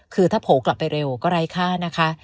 คือถ้าโผล่กลับไปเร็วก็ไร้ค่านะคะ